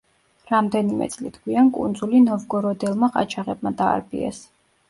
რამდენიმე წლით გვიან კუნძული ნოვგოროდელმა ყაჩაღებმა დაარბიეს.